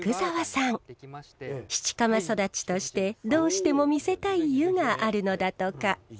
七釜育ちとしてどうしても見せたい湯があるのだとか。